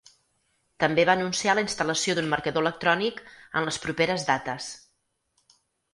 També va anunciar la instal·lació d’un marcador electrònic en les properes dates.